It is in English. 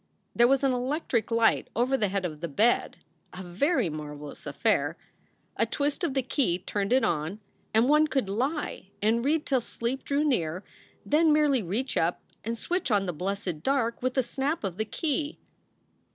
There was an electric light over the head of the bed a very marvelous affair. A twist of the key turned it on, and one could lie and read till sleep drew near, then merely reach up and switch on the blessed dark with a snap of the key.